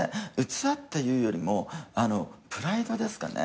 器っていうよりもプライドですかね。